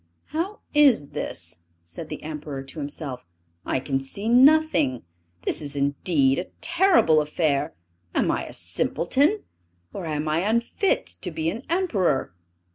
"How is this?" said the Emperor to himself. "I can see nothing! This is indeed a terrible affair! Am I a simpleton, or am I unfit to be an Emperor?